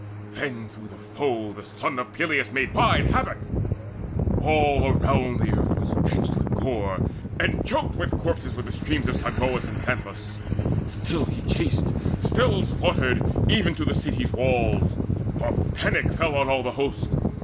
Then through the foe the son of Peleus made Wide havoc: all around the earth was drenched With gore, and choked with corpses were the streams Of Simois and Xanthus. Still he chased, Still slaughtered, even to the city's walls; For panic fell on all the host.